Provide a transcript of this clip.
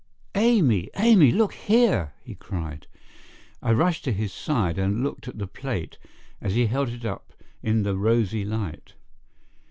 "Amy, Amy, look here!" he cried. I rushed to his side and looked at the plate as he held it up in the rosy light.